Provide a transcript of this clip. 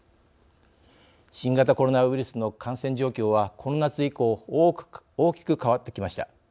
新型コロナウイルスの感染状況はこの夏以降大きく変わってきました。